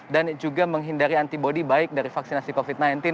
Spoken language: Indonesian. dan juga menghindari antibody baik dari vaksinasi covid sembilan belas